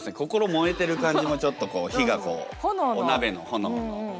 燃えてる感じもちょっとこう火がこうお鍋の炎の。